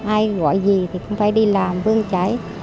ai gọi gì thì cũng phải đi làm vương trải